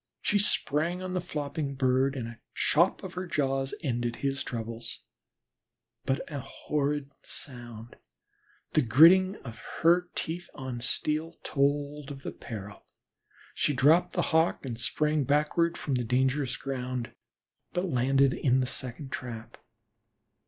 She sprang on the flopping bird and a chop of her jaws ended his troubles, but a horrid sound the gritting of her teeth on steel told her of peril. She dropped the Hawk and sprang backward from the dangerous ground, but landed in the second trap.